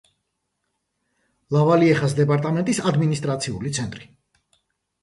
ლავალიეხას დეპარტამენტის ადმინისტრაციული ცენტრი.